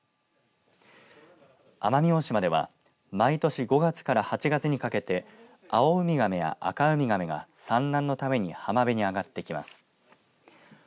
奄美大島では毎年５月から８月にかけてアオウミガメやアカウミガメが産卵のために浜辺に上がってきます。